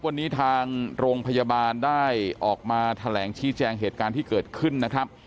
วันนี้ทางโรงพยาบาลได้ออกมาแถลงชี้แจงเหตุการณ์ที่เกิดขึ้นนะครับ